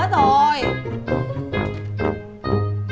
tôi xem nào